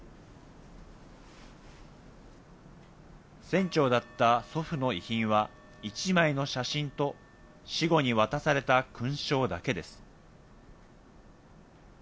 船長だった祖父の遺品は、１枚の写真と、死後に渡された勲章だけです。